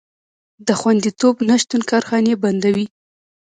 د خوندیتوب نشتون کارخانې بندوي.